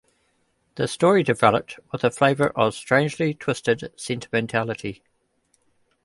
The story developed with a flavour of strangely twisted sentimentality.